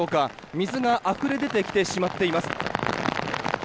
水があふれ出てきてしまっています。